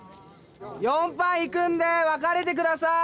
４班行くんで分かれてください！